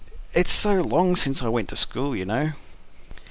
It's so long since I went to school, you know."